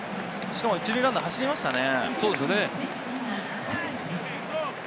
しかも、１塁ランナー走りましたね。